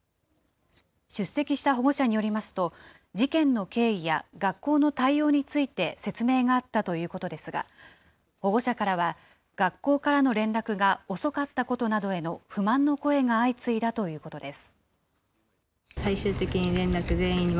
出席した保護者によりますと、事件の経緯や学校の対応について説明があったということですが、保護者からは学校からの連絡が遅かったことなどへの不満の声が相次いだということです。